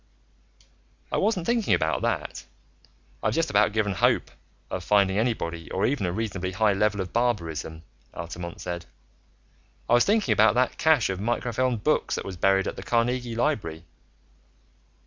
"I wasn't thinking about that. I've just about given up hope of finding anybody or even a reasonably high level of barbarism," Altamont said. "I was thinking about that cache of microfilmed books that was buried at the Carnegie Library."